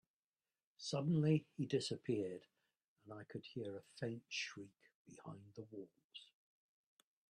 Suddenly, he disappeared, and I could hear a faint shriek behind the walls.